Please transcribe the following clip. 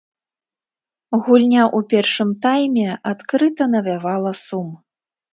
Гульня ў першым тайме адкрыта навявала сум.